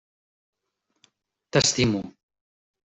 T'estimo!